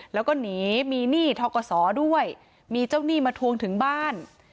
แล้วก็หนีมีหนี้ทกศด้วยมีเจ้าหนี้มาทวงถึงบ้าน